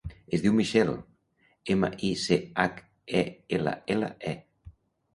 Es diu Michelle: ema, i, ce, hac, e, ela, ela, e.